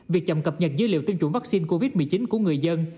việc chậm cập nhật dữ liệu tiêm chủng vaccine covid một mươi chín của người dân